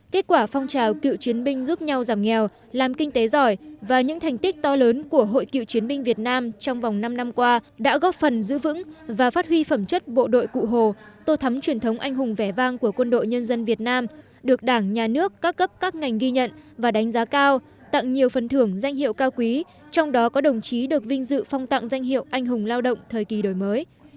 kết quả phong trào cựu chiến binh giúp nhau giảm nghèo làm kinh tế giỏi và những thành tích to lớn của hội cựu chiến binh việt nam trong vòng năm năm qua đã góp phần giữ vững và phát huy phẩm chất bộ đội cụ hồ tô thắm truyền thống anh hùng vẻ vang của quân đội nhân dân việt nam được đảng nhà nước các cấp các ngành ghi nhận và đánh giá cao tặng nhiều phần thưởng danh hiệu cao quý trong đó có đồng chí được vinh dự phong tặng danh hiệu anh hùng lao động thời kỳ đổi mới